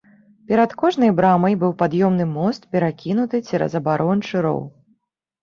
Перад кожнай брамай быў пад'ёмны мост, перакінуты цераз абарончы роў.